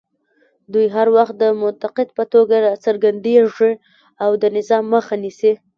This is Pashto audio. دوی هر وخت د منتقد په توګه راڅرګندېږي او د نظام مخه نیسي